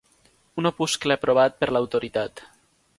Un opuscle aprovat per l'autoritat.